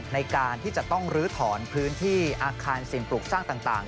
ในการที่จะต้องลื้อถอนพื้นที่อาคารสิ่งปลูกสร้างต่าง